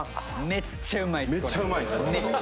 めっちゃうまいっすはい。